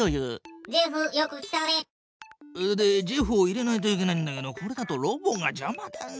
ジェフよく来たね。でジェフを入れないといけないんだけどこれだとロボがじゃまだな。